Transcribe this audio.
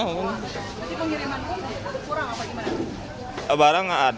jadi pengiriman pun kurang apa gimana